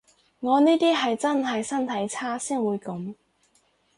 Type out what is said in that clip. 我呢啲係真係身體差先會噉